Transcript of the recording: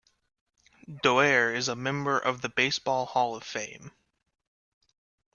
Doerr is a member of the Baseball Hall of Fame.